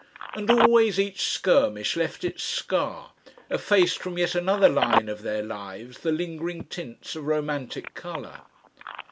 And always each skirmish left its scar, effaced from yet another line of their lives the lingering tints of romantic colour.